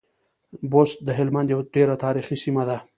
بُست د هلمند يوه ډېره تاريخي سیمه ده.